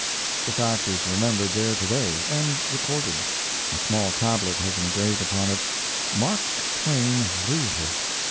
The fact is remembered there to day, and recorded. A small tablet has engraved upon it "Mark Twain Ruhe."